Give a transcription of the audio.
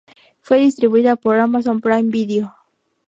Fue distribuida por Amazon Prime Video.